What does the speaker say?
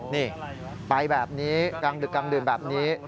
นี่ไปแบบนี้กลางดึกกลางดื่นแบบนี้